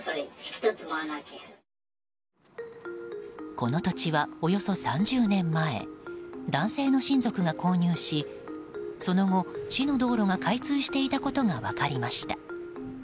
この土地は、およそ３０年前男性の親族が購入しその後、市の道路が開通していたことが分かりました。